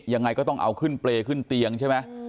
ยังไงก็ต้องเอาขึ้นเปรย์ขึ้นเตียงใช่ไหม